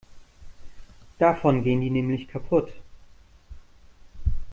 Davon gehen die nämlich kaputt.